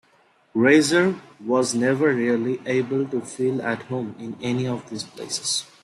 Reiser was never really able to feel at home in any of these places.